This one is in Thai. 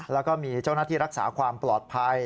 แล้วก็มีเจ้าหน้าที่รักษาความปลอดภัย